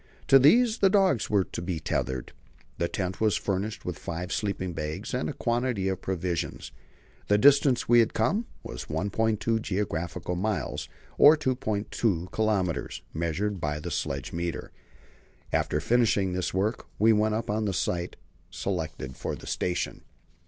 To these the dogs were to be tethered. The tent was furnished with five sleeping bags and a quantity of provisions. The distance we had come was 1.2 geographical miles, or 2.2 kilometres, measured by sledge meter. After finishing this work, we went on up to the site selected for the station.